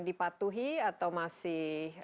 dipatuhi atau masih